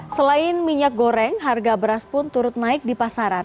selain minyak goreng harga beras pun turut naik di pasaran